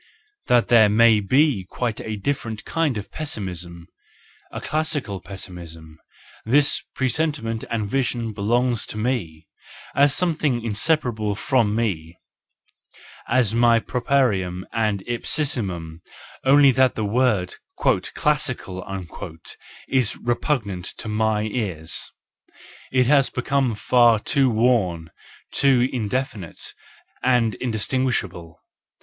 (That there may be quite a different kind of pessimism, a classical pessimism—this presentiment and vision belongs to me, as something inseparable from me, as my proprium and ipsissimum; only that the word " classical " is repugnant to my ears, it has become far too worn, too indefinite and indistinguish¬ able.